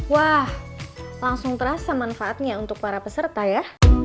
wah langsung terasa manfaatnya untuk para peserta ya